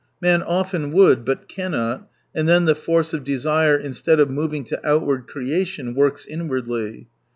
Man often would, but cannot. And then the force of desire instead of moving to outward creation, works inwardly.